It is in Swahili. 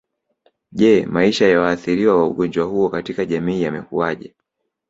Je maisha ya waathiriwa wa ugonjwa huo katika jamii yamekuaje